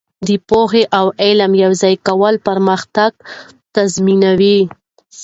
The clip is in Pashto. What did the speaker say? د پوهې او عمل یوځای کول پرمختګ تضمینوي.